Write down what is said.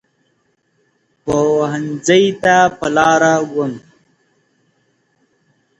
پوهنځۍ ته په لاره وم.